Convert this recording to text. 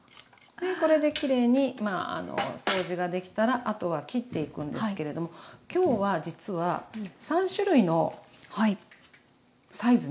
これできれいにまあ掃除ができたらあとは切っていくんですけれども今日は実は３種類のサイズに。